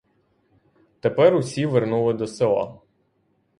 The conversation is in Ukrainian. Тепер усі вернули до села.